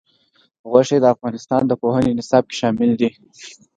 غوښې د افغانستان د پوهنې نصاب کې شامل دي.